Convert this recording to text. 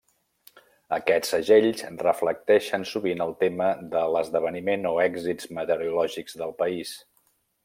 Aquests segells reflecteixen sovint el tema de l'esdeveniment o èxits meteorològics del país.